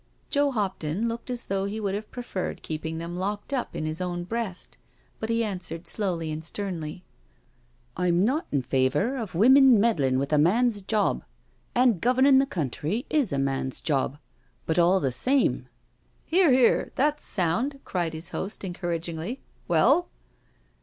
Joe Hopton looked as though he would have pre ferred keeping them locked up in his own breast, but he answered slowly and sternly: "I'm not in favour of women meddling with a man's job — and governing the country is a man's job ... but all the same ..." "Hear, hear I That's sound," cried his host en couragingly .•• Well